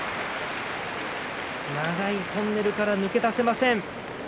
長いトンネルから抜け出せません。